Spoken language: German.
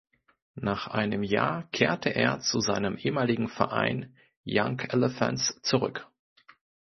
Nach einem Jahr kehrte er zu seinem ehemaligen Verein Young Elephants zurück.